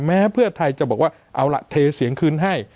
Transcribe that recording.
แม้เพื่อไทยจะบอกว่าเอาล่ะเทเสียงคืนให้